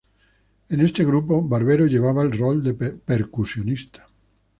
En este grupo Barbero llevaba el rol de percusionista.